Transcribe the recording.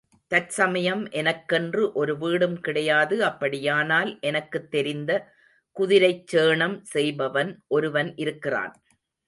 தற்சமயம் எனக்கென்று ஒரு வீடும் கிடையாது அப்படியானால் எனக்குத் தெரிந்த குதிரைச் சேணம் செய்பவன் ஒருவன் இருக்கிறான்.